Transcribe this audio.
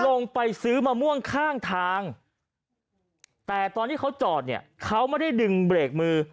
ลงไปซื้อมะม่วงข้างทางแต่ตอนที่เขาจอดเนี่ยเขาไม่ได้ดึงเบรกมือ